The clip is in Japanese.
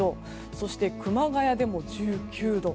そして、熊谷でも１９度。